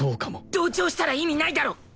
同調したら意味ないだろ！